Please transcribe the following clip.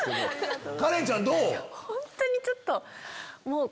カレンちゃんどう？